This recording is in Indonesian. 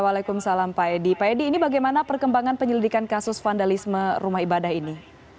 waalaikumsalam pak edi pak edi ini bagaimana perkembangan penyelidikan kasus vandalisme rumah ibadah ini